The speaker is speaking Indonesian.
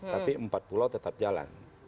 tapi empat pulau tetap jalan